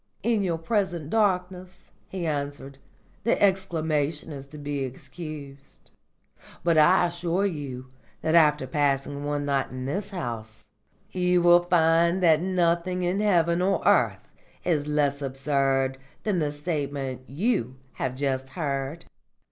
"In your present darkness," he answered, "the exclamation is to be excused. But I assure you that after passing one night in this house you will find that nothing in heaven or earth is less absurd than the statement you have just heard."